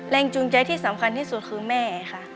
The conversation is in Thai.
จูงใจที่สำคัญที่สุดคือแม่ค่ะ